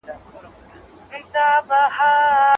ایا تاسي د خپل حساب پټنوم یاد لرئ؟